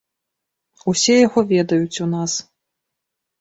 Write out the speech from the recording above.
Усе яго ведаюць у нас.